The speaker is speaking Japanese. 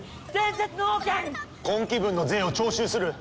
今期分の税を徴収する。